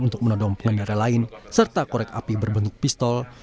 untuk menodong pengendara lain serta korek api berbentuk pistol